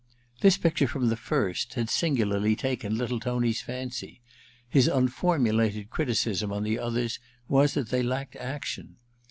This picture, from the first, had singularly taken little Tony's fancy. His unformulated criticism on the others was that they lacked action.